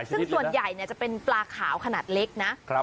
ซึ่งส่วนใหญ่เนี้ยจะเป็นปลาขาวขนาดเล็กนะครับ